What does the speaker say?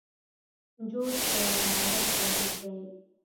جوت د حرارت واحد دی.